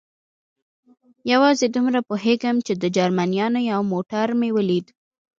یوازې دومره پوهېږم، چې د جرمنیانو یو موټر مې ولید.